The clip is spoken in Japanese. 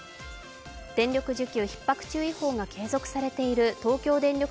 電力需給ひっ迫注意報が継続されている東京電力